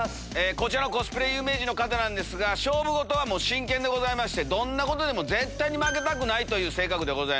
こちらのコスプレ有名人の方勝負事は真剣でございましてどんなことでも絶対に負けたくないという性格です。